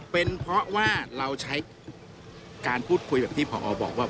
เป็นเพราะว่าเราใช้การพูดคุยแบบที่พอบอกว่า